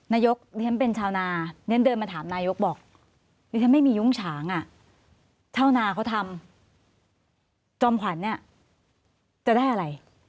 นายกฉันเป็นชาวนาฉันเดินมาถามนายกบอกถ้าไม่มียุ้งฉางชาวนาเขาทำจอมขวัญจะได้อะไร